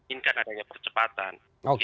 inginkan adanya percepatan